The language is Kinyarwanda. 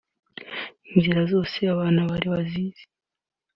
Inzira zose abana bari bazizi